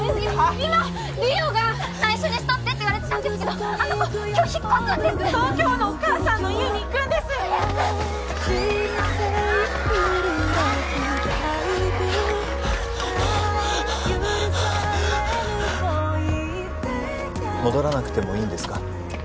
今梨央が内緒にしとってって言われてたんですけどあの子今日引っ越すんです東京のお母さんの家に行くんです戻らなくてもいいんですか？